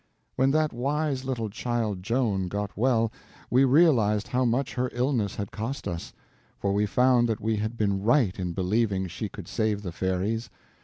When that wise little child, Joan, got well, we realized how much her illness had cost us; for we found that we had been right in believing she could save the fairies.